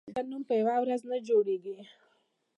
ښه نوم په یوه ورځ نه جوړېږي.